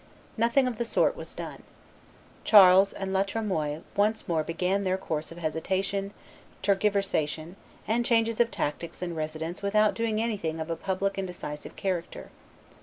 Nothing of the sort was done. Charles and La Tremoille once more began their course of hesitation, tergiversation, and changes of tactics and residence without doing anything of a public and decisive character.